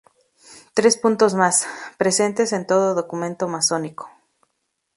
Tres puntos más:., presentes en todo documento Masónico.